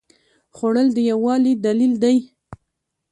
خوړل د یووالي دلیل دی